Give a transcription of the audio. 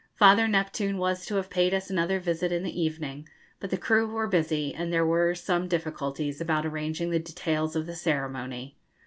Father Neptune was to have paid us another visit in the evening, but the crew were busy, and there were some difficulties about arranging the details of the ceremony.